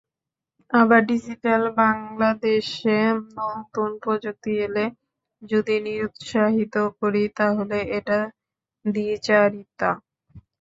আবার ডিজিটাল বাংলাদেশে নতুন প্রযুক্তি এলে যদি নিরুৎসাহিত করি, তাহলে এটা দ্বিচারিতা।